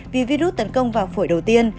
vì virus tấn công vào phổi đầu tiên